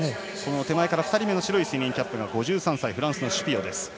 手前から２人目の白いスイミングキャップが５３歳、フランスのシュピオ。